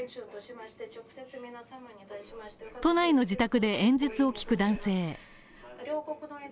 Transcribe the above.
都内の自宅で演説を聞く男性。